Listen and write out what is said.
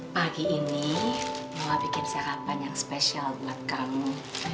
pagi ini mulai bikin sarapan yang spesial buat kamu